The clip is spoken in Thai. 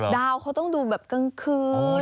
ดาวเขาต้องดูแบบกลางคืน